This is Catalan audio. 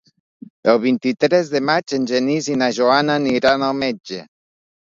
El vint-i-tres de maig en Genís i na Joana aniran al metge.